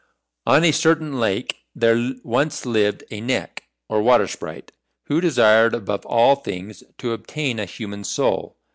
On a certain lake there once lived a Neck, or Water Sprite, who desired, above all things, to obtain a human soul.